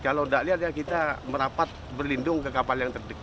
kalau tidak lihat ya kita merapat berlindung ke kapal yang terdekat